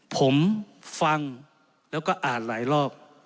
ผมฟังแล้วก็อ่านหลายรอบ